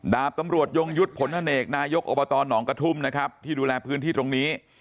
ดาบตำรวจยงยุทธ์ผลอเนกนายกอบตหนองกระทุ่มนะครับที่ดูแลพื้นที่ตรงนี้